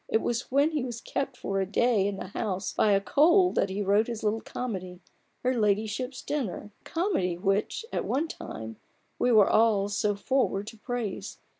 It was when he was kept for a day in the house by a cold that he wrote his little comedy, Her Ladyship's Dinner — a comedy which, at one time, we were all so forward to praise.